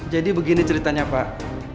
jadi begini ceritanya pak